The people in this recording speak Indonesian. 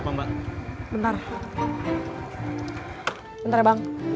kalau dia ngeset